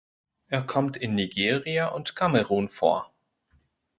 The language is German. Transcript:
Er kommt in Nigeria und Kamerun vor.